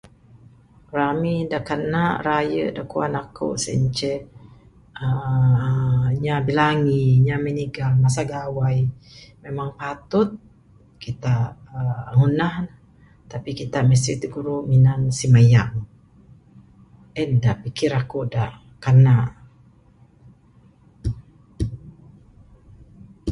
Rami de kena rayerk de kuwan eku sien ce, uhh inya bilanggi, inya menigan masa gawai, memang patut kitak uhh ngundah ne, tapi kita mesti pikuru tinan simayang, en de pikir eku de kena.